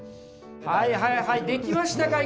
はいはいはい出来ましたか？